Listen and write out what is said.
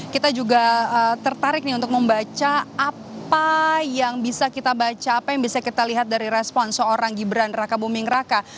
kita juga tertarik nih untuk membaca apa yang bisa kita baca apa yang bisa kita lihat dari respon seorang gibran raka buming raka